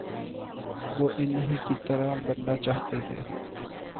وہ انہی کی طرح بننا چاہتے تھے۔